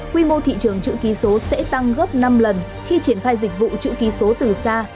quy mô thị trường chữ ký số sẽ tăng gấp năm lần khi triển khai dịch vụ chữ ký số từ xa